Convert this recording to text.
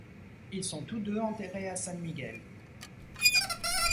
Ils sont tous deux enterrés à San Miguel.